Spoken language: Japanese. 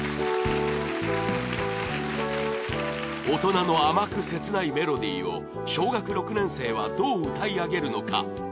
大人の甘く切ないメロディーを小学６年生はどう歌い上げるのか。